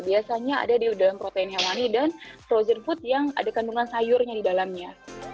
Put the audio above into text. biasanya ada di dalam protein hewani dan frozen food yang ada kandungan sayurnya di dalamnya